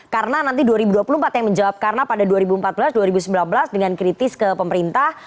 karena nanti dua ribu dua puluh empat yang menjawab karena pada dua ribu empat belas dua ribu sembilan belas dengan kritis ke pemerintah